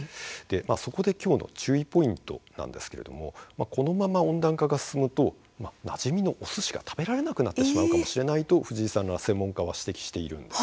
そこできょうの注意ポイントなんですけれどもこのまま温暖化が進むとなじみのおすしが食べられなくなるかもしれないと藤井さんら専門家は指摘しているんです。